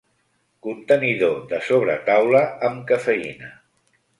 Contenidor de sobretaula amb cafeïna.